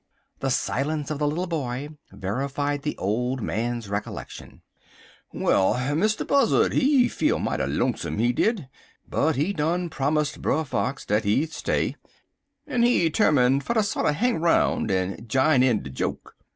The silence of the little boy verified the old man's recollection. "Well, Mr. Buzzard, he feel mighty lonesome, he did, but he done prommust Brer Fox dat he'd stay, en he 'termin' fer ter sorter hang 'roun' en jine in de joke.